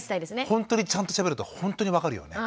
ほんとにちゃんとしゃべるとほんとに分かるよね。